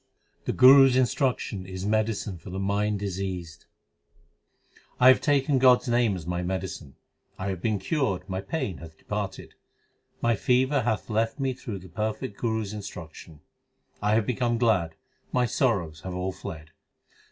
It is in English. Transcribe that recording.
The Guru s instruction is medicine for the mind diseased : I have taken God s name as my medicine ; I have been cured, my pain * hath departed. My fever hath left me through the perfect Guru s instruc tion. I have become glad, my sorrows have all fled.